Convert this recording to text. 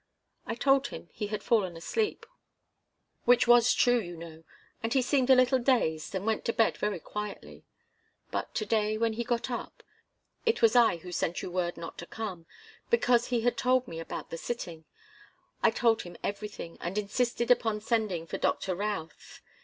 I told him he had fallen asleep which was true, you know and he seemed a little dazed, and went to bed very quietly. But to day, when he got up it was I who sent you word not to come, because he had told me about the sitting I told him everything, and insisted upon sending for Doctor Routh.